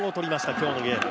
今日のゲーム。